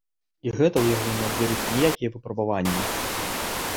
І гэта ў яго не адбяруць ніякія выпрабаванні.